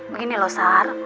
begini loh sar